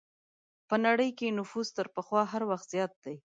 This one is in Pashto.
په نړۍ کې نفوس تر پخوا هر وخت زیات دی.